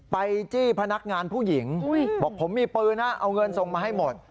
จี้พนักงานผู้หญิงบอกผมมีปืนนะเอาเงินส่งมาให้หมด